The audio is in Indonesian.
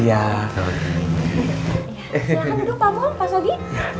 silahkan duduk pak mul pak sogi